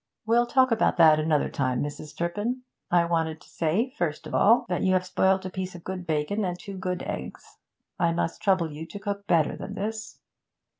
'We'll talk about that another time, Mrs. Turpin. I wanted to say, first of all, that you have spoiled a piece of good bacon and two good eggs. I must trouble you to cook better than this.'